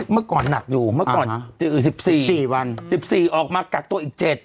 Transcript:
เมื่อก่อนหนักอยู่เมื่อก่อนอือสิบสี่สี่วันสิบสี่ออกมากักตัวอีกเจ็ด